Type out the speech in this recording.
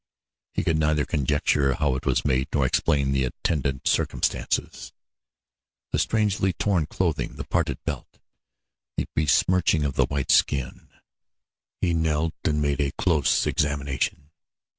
He could neither conjecture how it was made nor explain the attendant circumstances the strangely torn clothing, the parted belt, the besmirching of the white skin. He knelt and made a closer examination.